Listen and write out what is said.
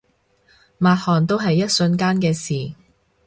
抹汗都係一瞬間嘅事